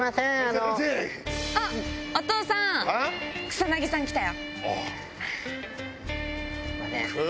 草薙さん来たよ。